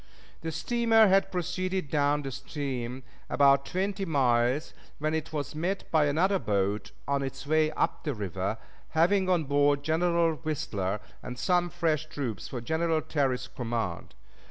The steamer had proceeded down the stream about twenty miles when it was met by another boat on its way up the river, having on board General Whistler and some fresh troops for General Terry's command.